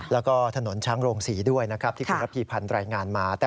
แล้วก็ถนนช้างโรงศรีด้วยนะครับที่คุณระพีพันธ์รายงานมา